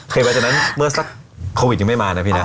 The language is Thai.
คือหลังจากนั้นเมื่อสักโควิดยังไม่มานะพี่นะ